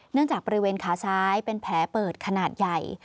จากบริเวณขาซ้ายเป็นแผลเปิดขนาดใหญ่